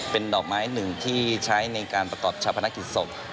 เป็นดอกไม้หนึ่งที่ใช้ในการประกอบชาวพนักกิจศพ